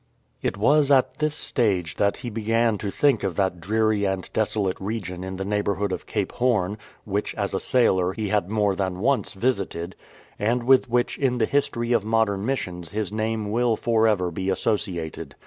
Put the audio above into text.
It was at this stage that he began to think of that dreary and desolate region in the neighbourhood of Cape Horn, which as a sailor he had more than once visited, and with which in the history of modern missions his name will for ever be associated.